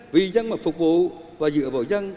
vì dân mà phục vụ và dựa vào dân